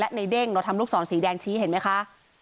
ในเด้งเราทำลูกศรสีแดงชี้เห็นไหมคะ